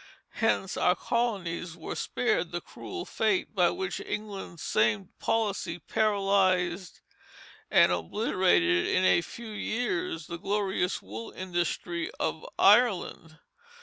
Hence our colonies were spared the cruel fate by which England's same policy paralyzed and obliterated in a few years the glorious wool industry of Ireland.